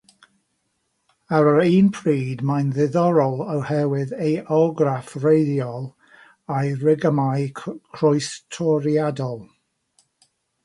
Ar yr un pryd, mae'n ddiddorol oherwydd ei orgraff wreiddiol a'i rigymau croestoriadol.